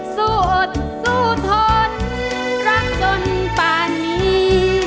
สู้อดสู้ทนรักจนป่านนี้